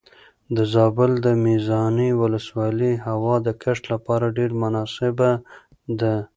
د زابل د میزانې ولسوالۍ هوا د کښت لپاره ډېره مناسبه ده.